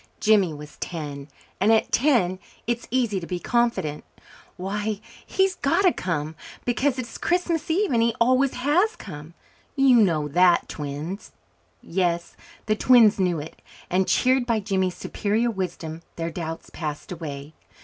Jimmy was ten, and at ten it is easy to be confident. "Why, he's got to come because it is Christmas Eve, and he always has come. You know that, twins." Yes, the twins knew it and, cheered by Jimmy's superior wisdom, their doubts passed away.